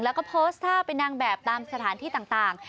แล้วก็โพสต์ท่าเป็นนางแบบตามสถานที่ต่าง